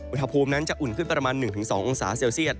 อุณหภูมินั้นจะอุ่นขึ้นประมาณ๑๒องศาเซลเซียต